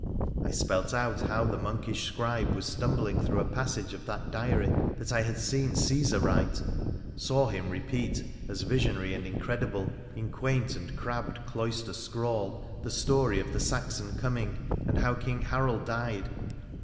I spelt out how the monkish scribe was stumbling through a passage of that diary that I had seen Caesar write— saw him repeat, as visionary and incredible, in quaint and crabbed cloister scrawl, the story of the Saxon coming, and how King Harold died.